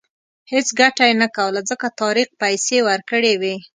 هېڅ ګټه یې نه کوله ځکه طارق پیسې ورکړې وې.